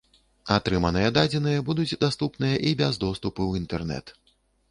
Атрыманыя дадзеныя будуць даступныя і без доступу ў інтэрнэт.